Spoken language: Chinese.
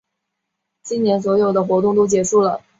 今年所有的活动都结束啦